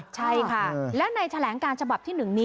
ใช่ค่ะและในแถลงการฉบับที่๑นี้